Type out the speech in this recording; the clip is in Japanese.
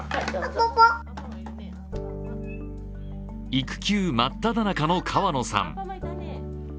育休真っただ中の川野さん。